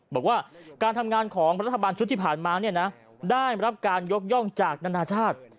บอกว่าการทำงานของรัฐบาลชุดที่ผ่านมาได้รับการยกย่องจากนานาชาติ